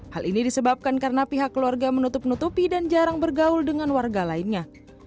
hal ini disebabkan karena pihak keluarga menutup nutupi dan jarang bergaul dengan warga lainnya